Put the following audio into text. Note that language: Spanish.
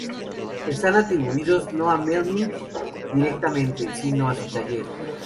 Están atribuidos no a Memling directamente, sino a su taller.